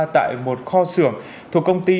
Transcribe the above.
tại một kho xưởng thuộc công ty